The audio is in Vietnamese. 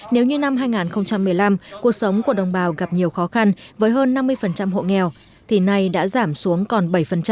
nếu như năm hai nghìn một mươi năm cuộc sống của đồng bào gặp nhiều khó khăn với hơn năm mươi hộ nghèo thì nay đã giảm xuống còn bảy